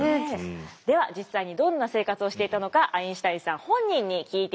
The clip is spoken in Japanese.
では実際にどんな生活をしていたのかアインシュタインさん本人に聞いていただきます。